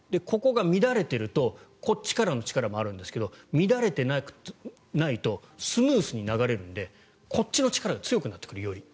ここが乱れているとこっちからの力もあるんですが乱れていないとスムーズに流れるのでこっちの力がより強くなってくる。